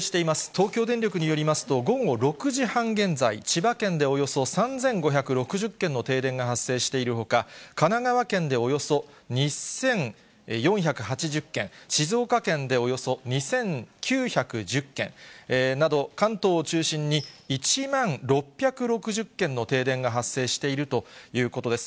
東京電力によりますと、午後６時半現在、千葉県でおよそ３５６０軒の停電が発生しているほか、神奈川県でおよそ２４８０軒、静岡県でおよそ２９１０軒など、関東を中心に１万６６０軒の停電が発生しているということです。